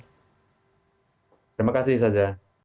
terima kasih saja